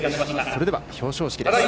それでは表彰式です。